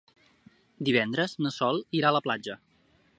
Divendres na Sol irà a la platja.